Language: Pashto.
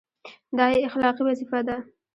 دا یې اخلاقي وظیفه ده.